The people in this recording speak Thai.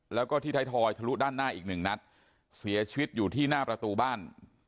แล้วก็ที่ไทยทอยทะลุด้านหน้าอีกหนึ่งนัดเสียชีวิตอยู่ที่หน้าประตูบ้าน